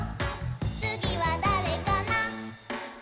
「つぎはだれかな？」